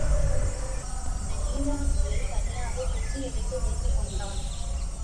தங்கமணி அந்த நீண்ட முள்ளைத் தனியாக வெட்டி எடுத்து வைத்துக்கொண்டான்.